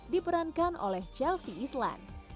diperankan oleh chelsea islan